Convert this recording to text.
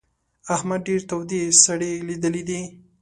احمد ډېرې تودې سړې ليدلې دي.